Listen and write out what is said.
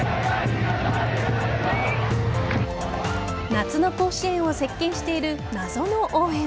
夏の甲子園を席巻している謎の応援。